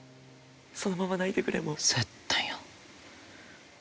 そのまま泣いてくれもう。